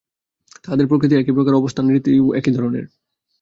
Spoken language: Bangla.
তাঁহাদের প্রকৃতি একই প্রকার, অবস্থান-রীতিও একই ধরনের।